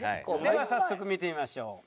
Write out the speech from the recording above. では早速見てみましょう。